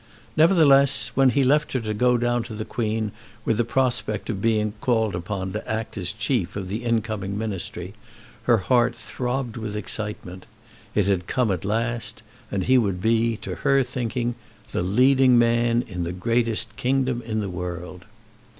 Nevertheless, when he left her to go down to the Queen with the prospect of being called upon to act as chief of the incoming ministry, her heart throbbed with excitement. It had come at last, and he would be, to her thinking, the leading man in the greatest kingdom in the world.